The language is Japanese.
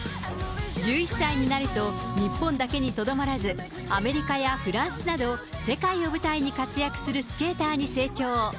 １１歳になると、日本だけにとどまらず、アメリカやフランスなど、世界を舞台に活躍するスケーターに成長。